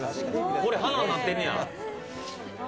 これ、花なってんのや。